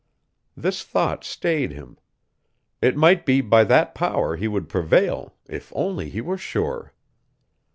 This thought stayed him. It might be by that power he would prevail if only he were sure!